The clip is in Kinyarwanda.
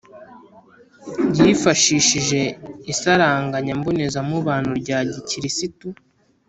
yifashishije isaranganya mbonezamubano rya gikirisitu .